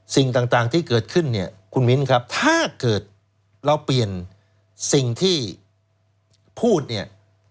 สิ่งต่างที่เกิดขึ้นเนี่ยคุณมิ้นครับถ้าเกิดเราเปลี่ยนสิ่งที่พูดเนี่ย